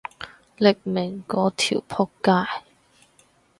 匿名嗰條僕街